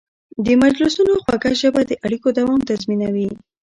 د مجلسونو خوږه ژبه د اړیکو دوام تضمینوي.